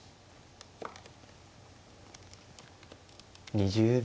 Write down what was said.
２０秒。